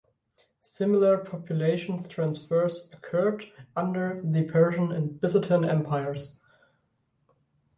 Similar population transfers occurred under the Persian and Byzantine Empires.